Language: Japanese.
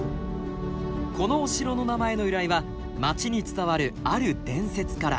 このお城の名前の由来は街に伝わるある伝説から。